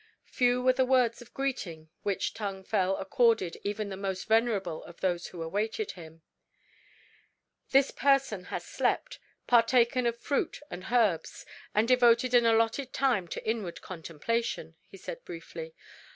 Few were the words of greeting which Tung Fel accorded even to the most venerable of those who awaited him. "This person has slept, partaken of fruit and herbs, and devoted an allotted time to inward contemplation," he said briefly.